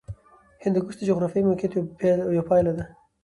هندوکش د جغرافیایي موقیعت یوه پایله ده.